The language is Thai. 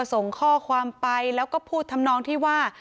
ส่งข้อความไปแล้วก็พูดทำนองที่ว่า